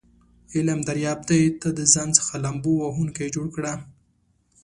علم دریاب دی ته دځان څخه لامبو وهونکی جوړ کړه س